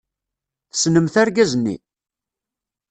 Tessnemt argaz-nni?